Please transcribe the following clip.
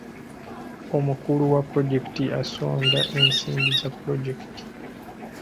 Omukulu wa pulojekiti asonda nsimbi za pulojekiti.